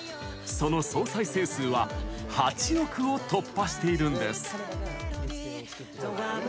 その総再生数は８億を突破しているんです。